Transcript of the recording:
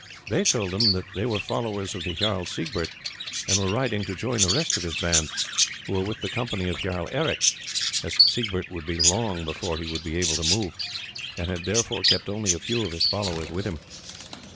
They told them that they were followers of the Jarl Siegbert, and were riding to join the rest of his band, who were with the company of Jarl Eric, as Siegbert would be long before he would be able to move, and had therefore kept only a few of his followers with him.